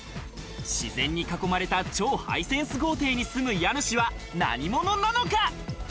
自然に囲まれた超ハイセンス豪邸に住む家主は何者なのか？